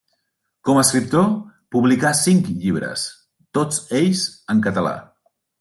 Com a escriptor, publicà cinc llibres, tots ells en català.